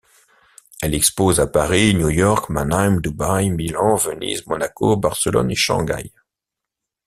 Elle expose à Paris, New York, Manheim, Dubaï, Milan, Venise, Monaco, Barcelone et Shanghai.